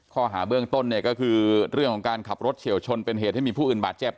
ข้อหาเบื้องต้นเนี่ยก็คือเรื่องของการขับรถเฉียวชนเป็นเหตุให้มีผู้อื่นบาดเจ็บ